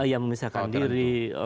iya memisahkan diri